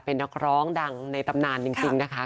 เป็นนักร้องดังในตำนานจริงนะคะ